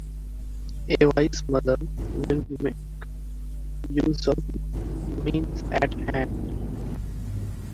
The wise mother will make use of the means at hand.